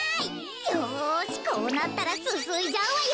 よしこうなったらすすいじゃうわよ。